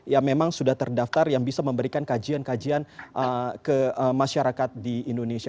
yang memang sudah terdaftar yang bisa memberikan kajian kajian ke masyarakat di indonesia